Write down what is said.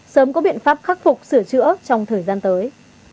sớm có biện pháp khắc phục sửa chữa trong thời gian tới